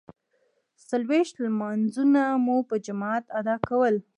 څلویښت لمانځونه مو په جماعت ادا کول.